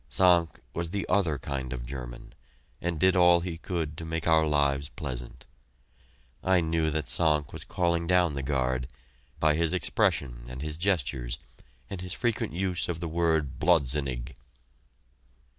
"Sank" was the "other" kind of German, and did all he could to make our lives pleasant. I knew that "Sank" was calling down the guard, by his expression and his gestures, and his frequent use of the word "blödsinnig."